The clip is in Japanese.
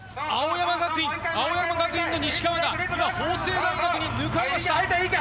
青山学院の西川が今、法政大学に抜かれました。